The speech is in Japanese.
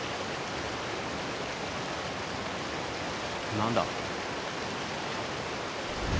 何だ？